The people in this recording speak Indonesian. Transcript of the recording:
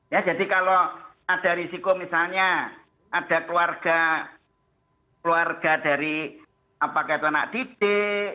ya jadi kalau ada risiko misalnya ada keluarga keluarga dari apa kaya itu anak didik atau pendidik